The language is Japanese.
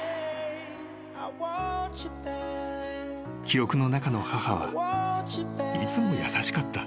［記憶の中の母はいつも優しかった］